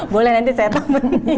boleh nanti saya temani